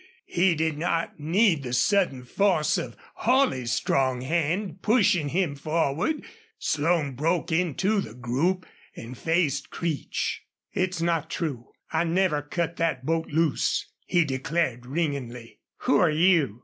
He did not need the sudden force of Holley's strong hand, pushing him forward. Slone broke into the group and faced Creech. "It's not true. I never cut that boat loose," he declared ringingly. "Who're you?"